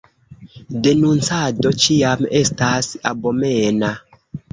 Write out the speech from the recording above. Denuncado ĉiam estas abomena.